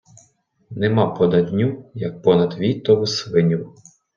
Нема понад ню, як понад війтову свиню.